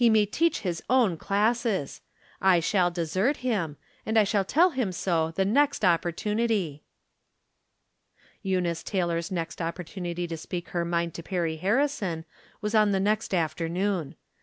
171 may teacli his own classes. I shall desert him, and I shall tell him so the first opportunity. Eunice Taylor's next opportunity to speak her mind to Perry Harrison was on the next after noon.